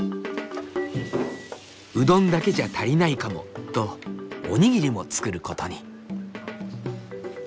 「うどんだけじゃ足りないかも」とおにぎりも作ることに。